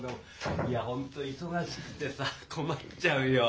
いや本当忙しくてさ困っちゃうよ。